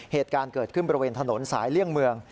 เหตุการณ์เกิดขึ้นบริเวณถนนสายเลี่ยงเมือง